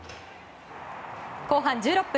後半１６分。